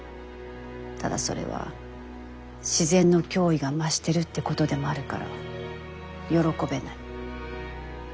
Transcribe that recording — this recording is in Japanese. ただそれは自然の脅威が増してるってことでもあるから喜べない。